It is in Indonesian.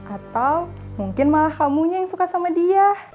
atau mungkin malah kamunya yang suka sama dia